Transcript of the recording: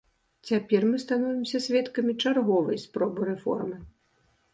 Цяпер мы становімся сведкамі чарговай спробы рэформы.